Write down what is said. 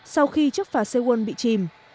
sau khi chiếc phà seoul bị chìm